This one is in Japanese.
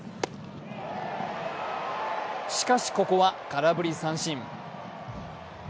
しかしここは空振り三振。